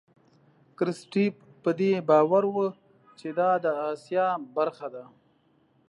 کرستیف په دې باور و چې دا د آسیا برخه ده.